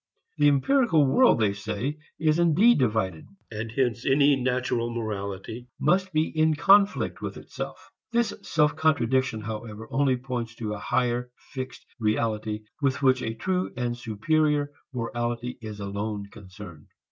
The empirical world, they say, is indeed divided, and hence any natural morality must be in conflict with itself. This self contradiction however only points to a higher fixed reality with which a true and superior morality is alone concerned.